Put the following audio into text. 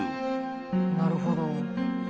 なるほど。